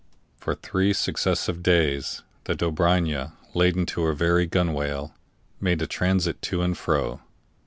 For three successive days the Dobryna, laden to her very gunwale, made a transit to and fro.